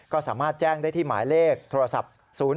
ก็สามารถแจ้งได้ที่หมายเลขโทรศัพท์๐๔